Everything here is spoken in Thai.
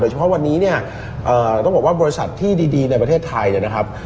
เฉพาะวันนี้เนี่ยต้องบอกว่าบริษัทที่ดีในประเทศไทยเนี่ยนะครับ